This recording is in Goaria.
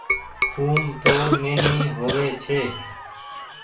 ٿوم تو نيني هووي ڇي۔